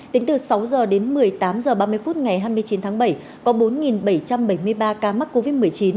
tính từ sáu h đến một mươi tám h ba mươi phút ngày hai mươi chín tháng bảy có bốn bảy trăm bảy mươi ba ca mắc covid một mươi chín